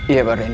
iya pak randy